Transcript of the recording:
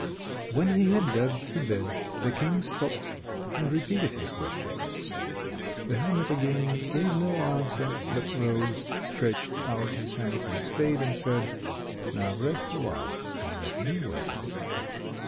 When he had dug two beds, the King stopped and repeated his questions. The hermit again gave no answer, but rose, stretched out his hand for the spade, and said: "Now rest awhile and let me work a bit."